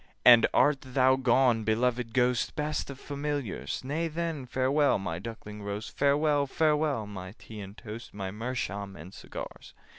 'And art thou gone, beloved Ghost? Best of Familiars! Nay then, farewell, my duckling roast, Farewell, farewell, my tea and toast, My meerschaum and cigars!